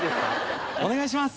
お願いします。